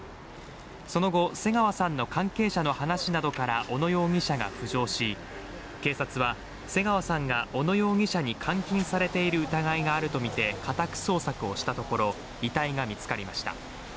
その後瀬川さんの関係者の話などから小野容疑者が浮上し警察は瀬川さんが小野容疑者に監禁されている疑いがあると見て家宅捜索したところ遺体が見つかりました